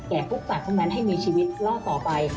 และแก่ปุ๊บตัดเท่านั้นให้มีชีวิตรอดต่อไป